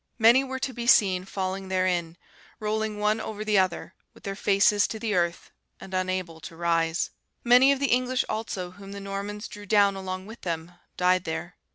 Many were to be seen falling therein, rolling one over the other, with their faces to the earth, and unable to rise. Many of the English, also, whom the Normans drew down along with them, died there.